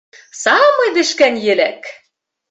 Самый бешкән еләк!